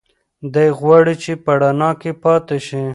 دی غواړي چې په رڼا کې پاتې شي.